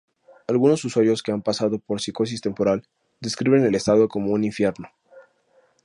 Algunos usuarios que han pasado por psicosis temporal describen el estado como un infierno.